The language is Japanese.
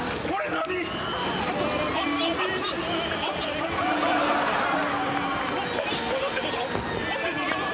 何で逃げるの？